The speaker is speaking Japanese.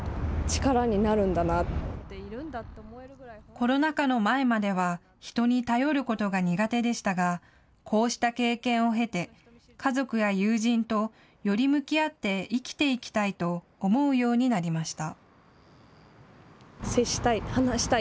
コロナ禍の前までは人に頼ることが苦手でしたがこうした経験を経て家族や友人とより向き合って生きていきたいと思うようになりました。